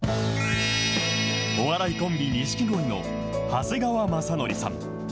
お笑いコンビ、錦鯉の長谷川雅紀さん。